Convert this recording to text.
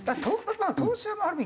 投資はある意味